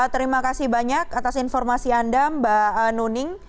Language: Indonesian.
terima kasih banyak atas informasi anda mbak nuning